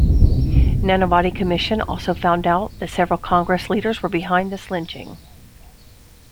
Nanavati Commission also found out that several Congress leaders were behind this lynching.